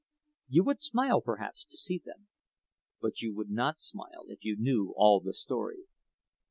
You would smile, perhaps, to see them—but you would not smile if you knew all the story.